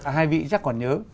hai vị chắc còn nhớ